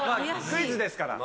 クイズですから。